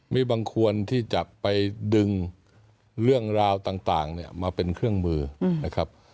มีบางคนที่จะไปดึงเรื่องราวต่างเนี่ยมาเป็นเครื่องมือนะครับ